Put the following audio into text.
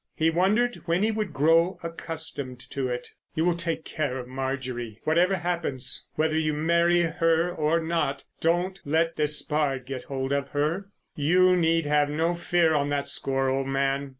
He wondered when he would grow accustomed to it. "You will take care of Marjorie. Whatever happens, whether you marry her or not, don't let Despard get hold of her." "You need have no fear on that score, old man."